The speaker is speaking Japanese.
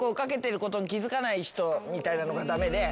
人みたいなのが駄目で。